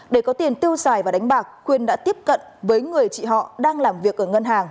để có tiền tiêu xài và đánh bạc khuyên đã tiếp cận với người chị họ đang làm việc ở ngân hàng